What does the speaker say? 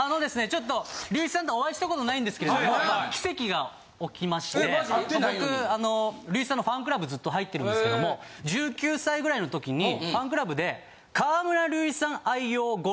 ちょっと隆一さんとはお会いしたことないんですけれども奇跡が起きまして僕隆一さんのファンクラブずっと入ってるんですけども１９歳ぐらいのときにファンクラブで。